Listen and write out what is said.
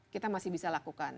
kita masih bisa lakukan